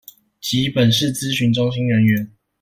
及本市諮詢中心人員